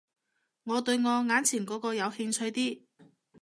我對我眼前嗰個有興趣啲